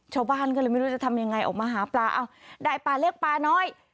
ชาวบ้านก็เลยไม่รู้จะทำยังไงออกมาหาปลาได้ปลาเล็กปลาน้อย